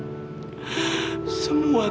aku menderita karena menengah